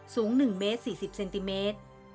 สูง๑เมตร๔๐เซนติเมตร